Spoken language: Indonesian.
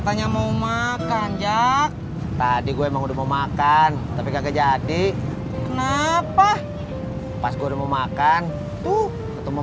sayang kalau dibuangnya